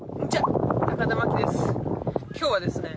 今日はですね